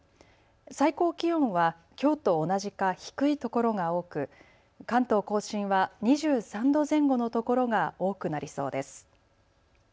最高気温はきょうと同じか低いところが多く、関東甲信は２３度前後のところが多くなりそうです。